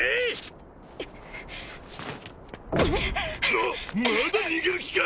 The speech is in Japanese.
なっまだ逃げる気か！？